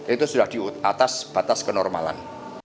itu sudah di atas batas kenormalan